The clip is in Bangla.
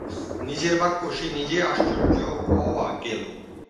নিজের বাক্যে সে নিজেই আশ্চর্য হইয়া গেল।